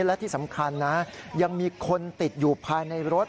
และที่สำคัญนะยังมีคนติดอยู่ภายในรถ